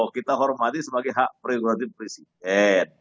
kita hormati sebagai hak pre regulatif presiden